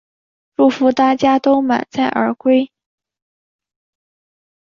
祝福大家都满载而归